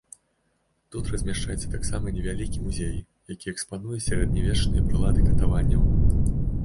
Тут размяшчаецца таксама невялікі музей, які экспануе сярэднявечныя прылады катаванняў.